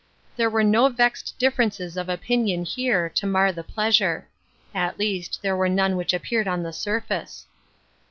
There were no vexed differences of opinion here to mar the pleasure ; at least, there were none which appeared on the surface.